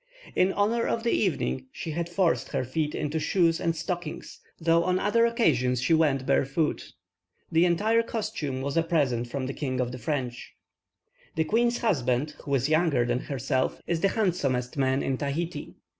In honour of the evening, she had forced her feet into shoes and stockings, though on other occasions she went barefoot. The entire costume was a present from the King of the French. The queen's husband, who is younger than herself, is the handsomest man in Tahiti.